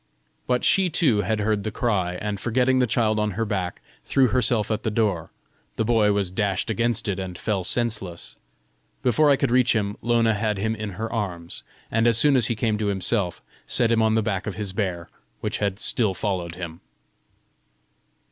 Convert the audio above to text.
But she too had heard the cry, and forgetting the child on her back, threw herself at the door; the boy was dashed against it, and fell senseless. Before I could reach him, Lona had him in her arms, and as soon as he came to himself, set him on the back of his bear, which had still followed him.